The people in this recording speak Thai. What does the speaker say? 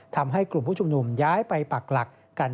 ทำให้กลุ่มผู้ชุมนุมย้ายไปปักหลักกัน